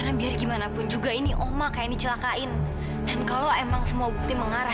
sampai jumpa di video selanjutnya